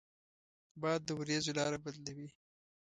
باد د ورېځو لاره بدلوي